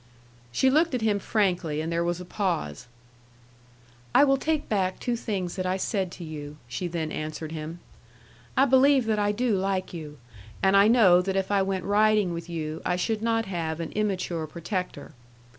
She looked at him frankly, and there was a pause. "I will take back two things that I said to you," she then answered him. "I believe that I do like you. And I know that if I went riding with you, I should not have an immature protector."